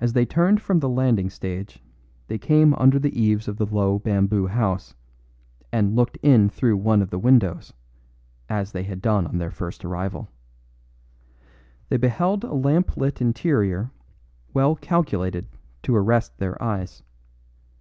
As they turned from the landing stage they came under the eaves of the low bamboo house, and looked in through one of the windows, as they had done on their first arrival. They beheld a lamp lit interior well calculated to arrest their eyes.